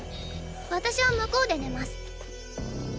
私は向こうで寝ます。